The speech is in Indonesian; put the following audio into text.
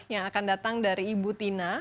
yang akan datang dari ibu tina